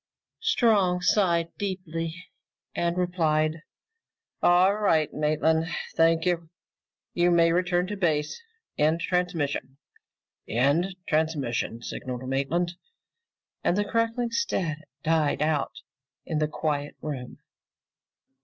Strong sighed deeply and replied, "All right, Maitland. Thank you. You may return to base. End transmission." "End transmission!" signaled Maitland, and the crackling static died out in the quiet room.